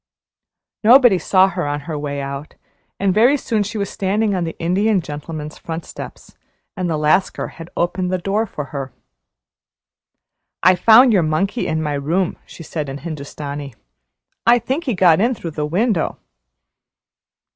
Nobody saw her on her way out, and very soon she was standing on the Indian Gentleman's front steps, and the Lascar had opened the door for her. "I found your monkey in my room," she said in Hindustani. "I think he got in through the window."